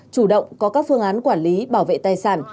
chủ động có các phương án quản lý bảo vệ tài sản